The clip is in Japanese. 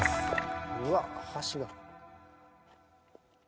うわっ箸が。